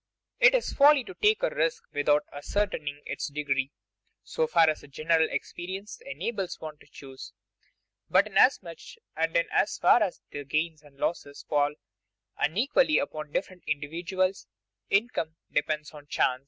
It is folly to take a risk without ascertaining its degree, so far as general experience enables one to choose. But inasmuch and in as far as the gains and losses fall unequally upon different individuals, income depends on chance.